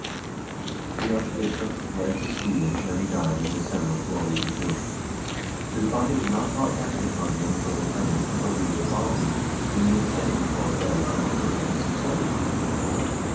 The archbishop fled to Sweden, where he died in December, 1282. His body was not brought back to Trondhjem for interment until the year following, when the excitement caused by the controversy had subsided.